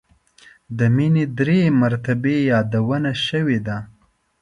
د مینې درې مرتبې یادونه شوې ده.